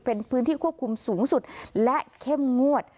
เป็นพื้นที่ควบคุมสูงสุดและเข้มงวด